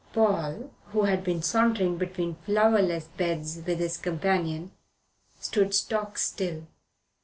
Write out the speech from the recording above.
Paul, who had been sauntering between flowerless beds with his companion, stood stock still.